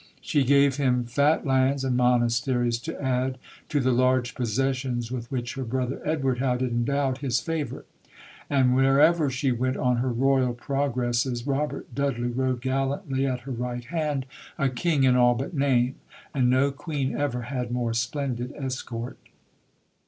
She gave him fat lands and monasteries to add to the large possessions with which her brother Edward had endowed his favourite; and wherever she went on her Royal progresses, Robert Dudley rode gallantly at her right hand, a King in all but name. And no Queen ever had more splendid escort.